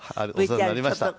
お世話になりました。